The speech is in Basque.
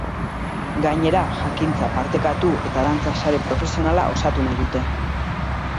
Gainera, jakintza partekatu eta dantza sare profesionala osatu nahi dute.